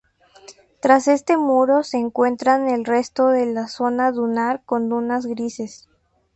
Tras este muro se encuentra el resto de la zona dunar con dunas grises.